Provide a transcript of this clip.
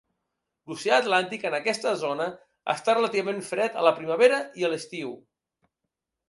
L'oceà atlàntic en aquesta zona està relativament fred a la primavera i l'estiu.